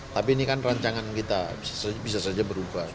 tapi ini kan rancangan kita bisa saja berubah